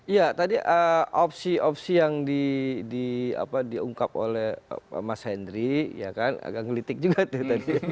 iya tadi opsi opsi yang diungkap oleh mas henry ya kan agak ngelitik juga tuh tadi